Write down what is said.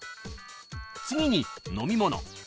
［次に飲み物］